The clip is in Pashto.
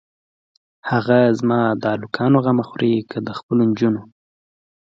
هه زما د الکانو غمه خورې که د خپلو جونو.